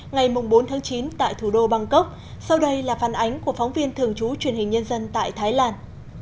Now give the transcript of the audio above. ngày bốn chín tại thủ đô bangkok sau đây là phản ánh của phóng viên thường trú truyền hình nhân dân tại thái lan